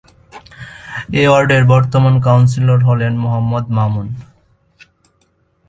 এ ওয়ার্ডের বর্তমান কাউন্সিলর হলেন মো: মামুন।